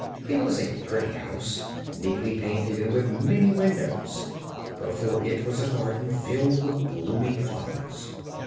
It was a pretty house, neatly painted and with many windows. Before it was a garden filled with blooming flowers.